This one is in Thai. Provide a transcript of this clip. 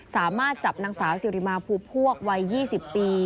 สามารถจับนางสาวสิริมาภูพวกวัย๒๐ปี